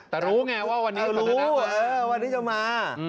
แต่รู้ไงว่าวันนี้จะมา